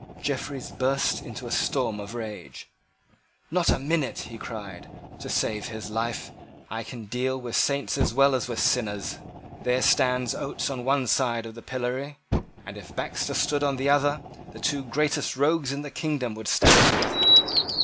Jeffreys burst into a storm of rage. "Not a minute," he cried, "to save his life. I can deal with saints as well as with sinners. There stands Oates on one side of the pillory; and, if Baxter stood on the other, the two greatest rogues in the kingdom would stand together."